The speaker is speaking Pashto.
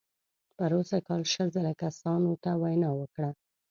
پروسږ کال شل زره کسانو ته وینا وکړه.